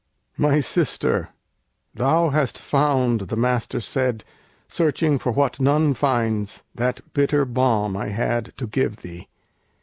"My sister! thou hast found," the Master said, "Searching for what none finds, that bitter balm I had to give thee.